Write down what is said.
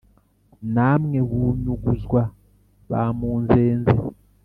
Namwe bunyuguzwa ba Munzenze